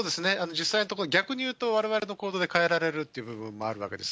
実際のところ、逆にいうと、われわれの行動で変えられるという部分もあるわけです。